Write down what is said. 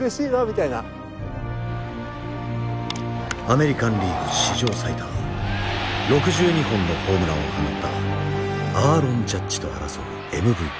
アメリカンリーグ史上最多６２本のホームランを放ったアーロン・ジャッジと争うＭＶＰ。